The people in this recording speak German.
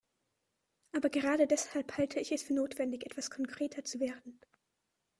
Aber gerade deshalb halte ich es für notwendig, etwas konkreter zu werden.